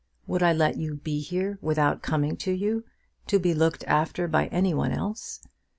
Would I let you be here without coming to you, to be looked after by any one else?